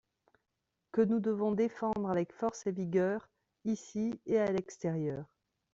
que nous devons défendre avec force et vigueur, ici et à l’extérieur.